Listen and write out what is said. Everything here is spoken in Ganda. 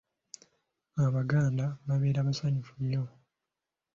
Abaganda babeera basanyufu nnyo.